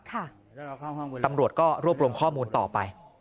ตำรวจก็รวบรวมข้อมูลต่อไป